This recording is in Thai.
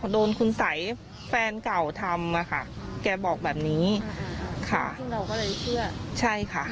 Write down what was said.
โดนคุณสัยแฟนเก่าทำอ่ะค่ะแกบอกแบบนี้ค่ะซึ่งเราก็เลยเชื่อใช่ค่ะ